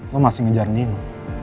lo masih ngejar nino